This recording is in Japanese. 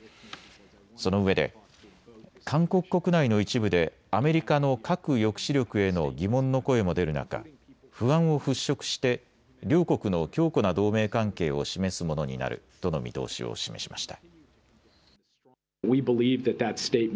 そのうえで韓国国内の一部でアメリカの核抑止力への疑問の声も出る中、不安を払拭して両国の強固な同盟関係を示すものになるとの見通しを示しました。